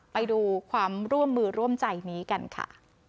ไปดูความร่วมมือร่วมใจนี้กันค่ะ